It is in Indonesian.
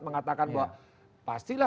mengatakan bahwa pastilah